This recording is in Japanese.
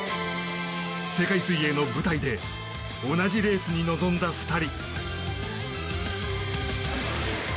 世界水泳の舞台で同じレースに臨んだ２人。